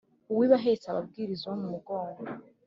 Uwiba ahetse aba abwiriza uwo mu mugongo.